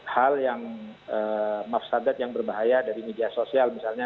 hal yang mafsadat yang berbahaya dari media sosial misalnya